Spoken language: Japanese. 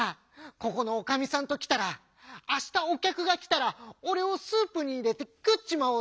ここのおかみさんときたらあしたおきゃくがきたらおれをスープにいれてくっちまおうっていうんだ。